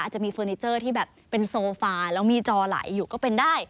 จะมีเฟอร์นิเจอร์ที่แบบเป็นโซฟาแล้วมีจอไหลอยู่ก็เป็นได้